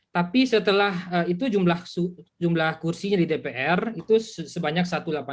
tapi setelah itu jumlah kursinya di dpr itu sebanyak satu ratus delapan puluh